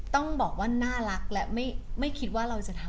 ต้องบอกว่าน่ารักและไม่คิดว่าเราจะทำ